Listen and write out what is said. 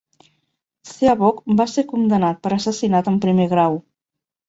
Seabok va ser condemnat per assassinat en primer grau.